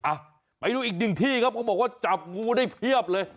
อ่ะไปดูอีกหนึ่งที่ครับเขาบอกว่าจับงูได้เพียบเลย